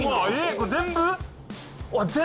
これ、全部？